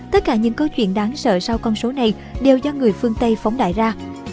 tất cả những câu chuyện đáng sợ sau con số này đều do người phương tây phóng đại ra